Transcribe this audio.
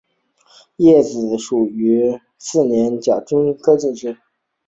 叶子循于顺治四年中式丁亥科进士。